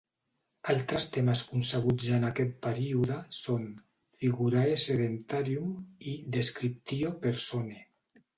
Altres termes concebuts en aquest període són "figurae sedentarium" i "descriptio personae".